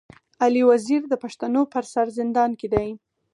علي وزير د پښتنو پر سر زندان کي دی.